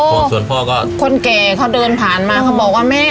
ส่วนพ่อก็คนแก่เขาเดินผ่านมาเขาบอกว่าแม่